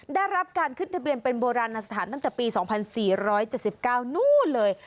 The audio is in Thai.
ได้รับการขึ้นทะเบียนเป็นโบราณอสถานตั้งแต่ปีสองพันสี่ร้อยเจ็ดสิบเก้านู้นเลย